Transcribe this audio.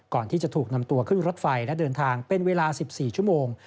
ก่อนที่จะถูกนำตัวขึ้นรถไฟและเดินทางเป็นเวลา๑๔ชั่วโมง